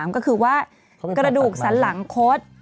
ก็คือว่ากระดูกสันหลังคด